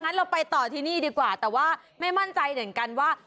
เราไปต่อที่นี่ดีกว่าแต่ว่าไม่มั่นใจเหมือนกันว่า